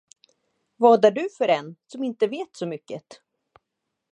Vad är du för en, som inte vet så mycket?